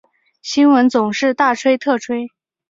新闻总是大吹特吹